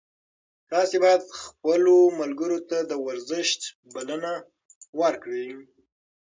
تاسي باید خپلو ملګرو ته د ورزش بلنه ورکړئ.